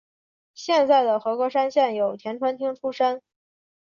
现在的和歌山县有田川町出身。